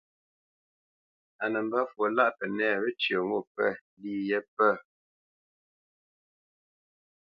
A nə́ mbə́ fwo lâʼ Pənɛ̂ wə́cyə ŋo pə̂ lî yé pə̂.